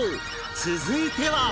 続いては